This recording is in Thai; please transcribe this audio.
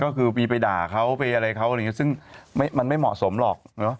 ก็คือมีไปด่าเขาไปอะไรเขาอะไรอย่างนี้ซึ่งมันไม่เหมาะสมหรอก